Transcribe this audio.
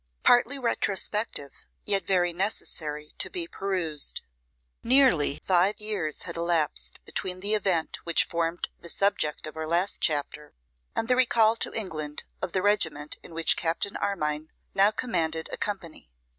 Partly Retrospective, yet Very Necessary to be Perused. EARLY five years had elapsed between the event which formed the subject of our last chapter and the recall to England of the regiment in which Captain Armine now commanded a company.